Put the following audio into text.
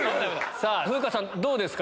さぁ風花さんどうですか？